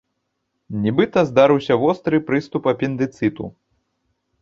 Нібыта, здарыўся востры прыступ апендыцыту.